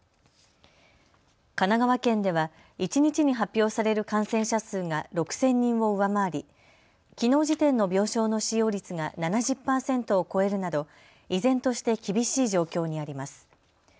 神奈川県では一日に発表される感染者数が６０００人を上回りきのう時点の病床の使用率が７０％を超えるなど依然として厳しい状況にあります。